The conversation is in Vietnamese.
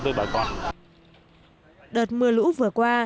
đợt mưa lú vừa qua